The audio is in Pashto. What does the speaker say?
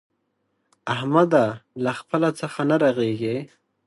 احمده! له خپله څخه نه رغېږي.